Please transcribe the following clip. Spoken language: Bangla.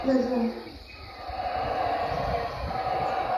বাসায় চলে যাও।